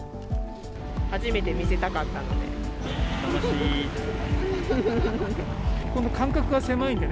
初めて見せたかったので。